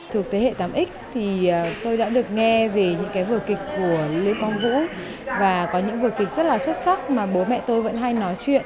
thuộc thế hệ tám x thì tôi đã được nghe về những cái vở kịch của lưu quang vũ và có những vở kịch rất là xuất sắc mà bố mẹ tôi vẫn hay nói chuyện